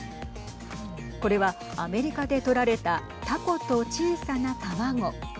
これはアメリカで撮られたたこと小さな卵。